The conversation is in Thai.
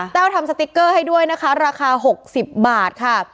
แววทำสติ๊กเกอร์ให้ด้วยนะคะราคา๖๐บาทค่ะ